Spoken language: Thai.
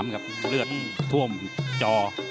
ครับเลือดท่วมจอ